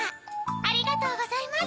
ありがとうございます。